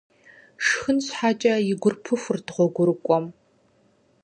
Шхын щхьэкӀэ и гур пыхурт гъуэгурыкӀуэм.